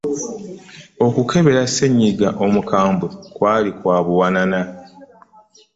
okukeberwa ssenyiga omukambwe kwali kwa buwanana.